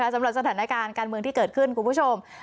สำหรับสถานการณ์การเมืองที่เกิดขึ้นคุณผู้ชม